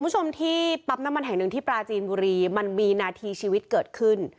คุณผู้ชมที่ปั๊มน้ำมันแห่งหนึ่งที่ปราจีนบุรีมันมีนาทีชีวิตเกิดขึ้น